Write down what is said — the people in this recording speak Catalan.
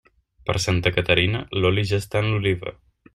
Per Santa Caterina, l'oli ja està en l'oliva.